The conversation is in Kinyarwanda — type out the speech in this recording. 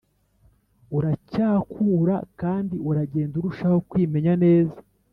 Uracyakura kandi uragenda urushaho kwimenya neza